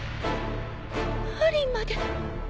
マリンまで。